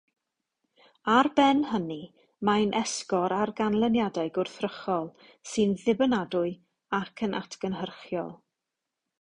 Ar ben hynny, mae'n esgor ar ganlyniadau gwrthrychol sy'n ddibynadwy ac yn atgynhyrchiol.